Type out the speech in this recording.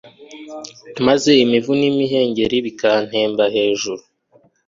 maze imivu n’imihengeri bikantemba hejuru